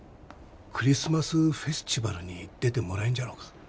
クリスマスフェスチバルに出てもらえんじゃろうか？